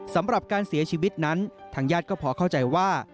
สำหรับการเสียชีวิตนั้นทางญาติก็พอเข้าใจว่า